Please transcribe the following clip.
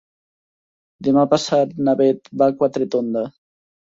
Demà passat na Bet va a Quatretonda.